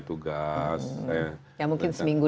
tugas ya mungkin seminggu